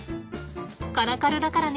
カラカルだからね。